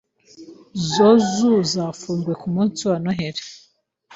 Zo zoo zafunzwe kumunsi wa Noheri.